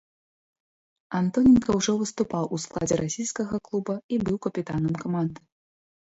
Антоненка ўжо выступаў у складзе расійскага клуба і быў капітанам каманды.